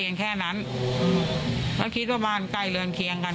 ใกล้กันแค่นั้นแล้วคิดว่าบ้านใกล้เรือนเคียงกัน